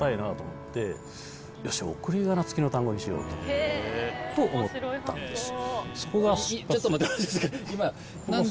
よし送り仮名付きの単語にしようと。と思ったんです。